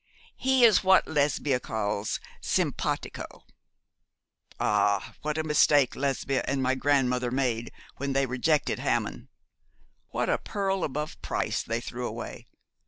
He is what Lesbia calls sympatico. Ah! what a mistake Lesbia and my grandmother made when they rejected Hammond! What a pearl above price they threw away!